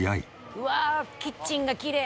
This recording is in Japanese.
うわあキッチンがきれい！